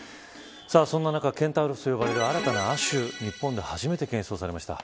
そん中、ケンタウロスと呼ばれる新たな亜種日本で初めて検出されました。